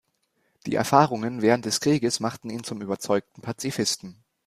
Die Erfahrungen während des Krieges machten ihn zum überzeugten Pazifisten.